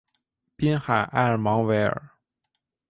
滨海埃尔芒维尔。